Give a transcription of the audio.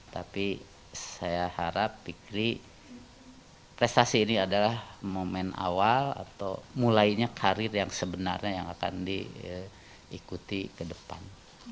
tapi saya harap fikri prestasi ini adalah momen awal atau mulainya karir yang sebenarnya yang akan diikuti ke depan